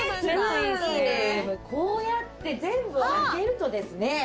こうやって全部開けるとですね